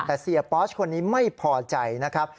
แต่เสียปอสคนนี้ไม่พอใจนะครับ